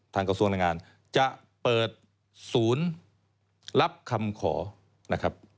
กระทรวงแรงงานจะเปิดศูนย์รับคำขอนะครับ